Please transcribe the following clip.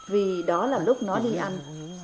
vì đó là lúc nó đi ăn